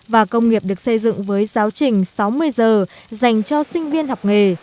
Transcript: và công nghiệp được xây dựng với giáo trình sáu mươi giờ dành cho sinh viên học nghề